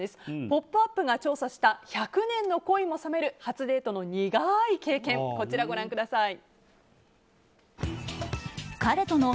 「ポップＵＰ！」が調査した１００年の恋も冷める初デートの苦い経験こちら、ご覧ください。